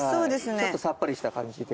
ちょっとさっぱりした感じで。